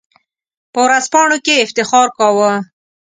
په ورځپاڼو کې یې افتخار کاوه.